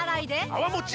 泡もち